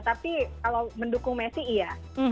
tapi kalau mendukung messi iya